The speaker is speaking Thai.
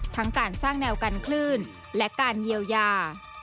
ทั้งการสร้างแนวกันคลื่นและการเยียวยา